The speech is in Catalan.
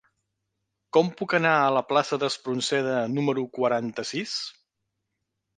Com puc anar a la plaça d'Espronceda número quaranta-sis?